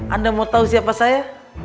anda mau tahu siapa saya